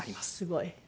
すごい。